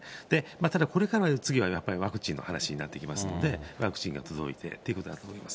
ただ、これから次はワクチンの話になってきますので、ワクチンが届いてということだと思います。